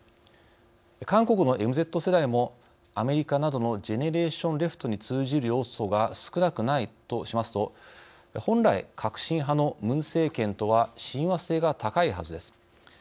韓国のＭＺ世代もアメリカなどのジェネレーション・レフトに通じる要素が少なくないとしますと本来、革新派のムン政権とは親和性が高いはずです。